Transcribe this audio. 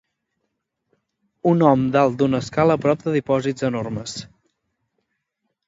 Un hom dalt d'una escala a prop de dipòsits enormes.